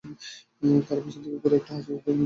তার পিছন দিকে খুব একটা হাসির ধ্বনি উঠল।